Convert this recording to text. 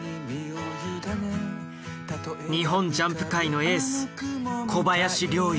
日本ジャンプ界のエース小林陵侑。